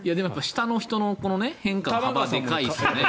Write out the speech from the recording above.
下の人の変化の幅がでかいですよね。